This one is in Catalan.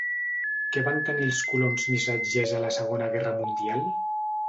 Què van tenir els coloms missatgers a la Segona Guerra Mundial?